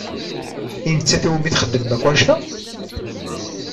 I nettat i wumi txedmem akk annect-a?